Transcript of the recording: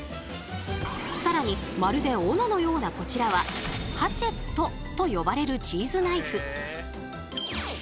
更にまるで斧のようなこちらは「ハチェット」と呼ばれるチーズナイフ。